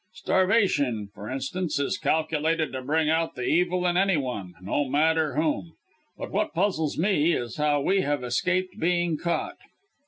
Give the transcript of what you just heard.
Starvation, for instance, is calculated to bring out the evil in any one no matter whom. But what puzzles me, is how we have escaped being caught!"